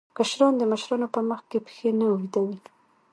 کشران د مشرانو په مخ کې پښې نه اوږدوي.